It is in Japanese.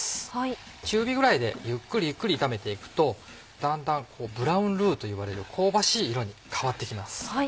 中火ぐらいでゆっくりゆっくり炒めて行くとだんだんブラウンルーといわれる香ばしい色に変わって行きます。